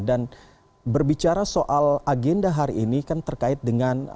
dan berbicara soal agenda hari ini kan terkait dengan